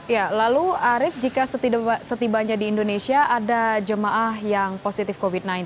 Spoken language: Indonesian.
ya lalu arief jika setibanya di indonesia ada jemaah yang positif covid sembilan belas